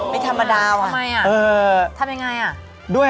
ไม่ธรรมดาว่ะ